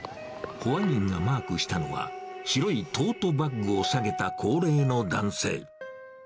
保安員がマークしたのは、白いトートバッグを提げた高齢の男性。